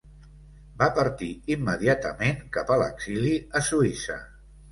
Va partir immediatament cap a l'exili a Suïssa.